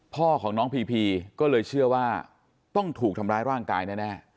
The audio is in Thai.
พ่อของน้องพีพีก็เลยเชื่อว่าต้องถูกทำร้ายร่างกายแน่